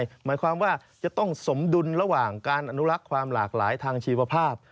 หมายความว่าจะต้องสมดุลระหว่างการอนุรักษ์ความหลากหลายทางชีวภาพ